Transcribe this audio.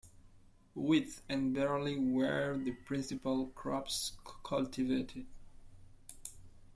Wheat and barley were the principal crops cultivated.